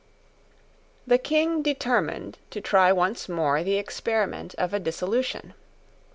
The King determined to try once more the experiment of a dissolution.